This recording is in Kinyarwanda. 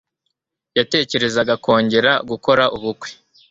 yatekerezaga kongera gukora ubukwe